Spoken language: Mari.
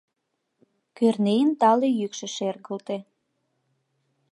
— Кӧрнеин тале йӱкшӧ шергылте.